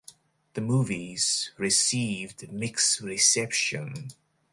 The movie received mixed reception.